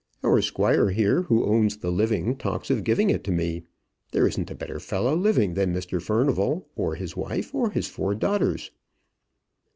Our squire here, who owns the living, talks of giving it to me. There isn't a better fellow living than Mr Furnival, or his wife, or his four daughters."